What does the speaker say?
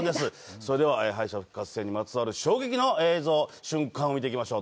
それでは、敗者復活戦にまつわる、衝撃映像、瞬間を見ていきましょう。